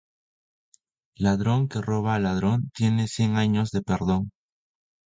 Ladron que roba a otro ladron tiene cien anos de perdon.